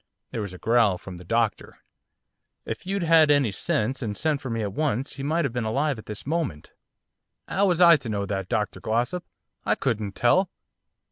There was a growl from the doctor. 'If you'd had any sense, and sent for me at once, he might have been alive at this moment.' ''Ow was I to know that, Dr Glossop? I couldn't tell.